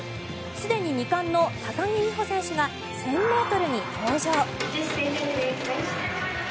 すでに２冠の高木美帆選手が１０００ｍに登場。